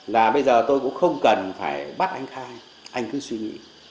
là bây giờ tôi cũng không cần phải bắt anh khai anh cứ suy nghĩ